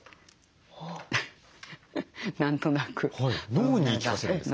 脳に言い聞かせるんですか？